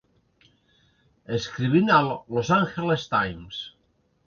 Escrivint al 'Los Angeles Times'.